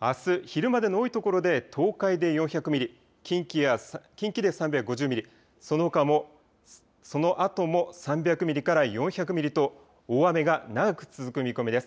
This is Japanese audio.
あす昼までの多いところで東海で４００ミリ、近畿で３５０ミリ、そのあとも３００ミリから４００ミリと大雨が長く続く見込みです。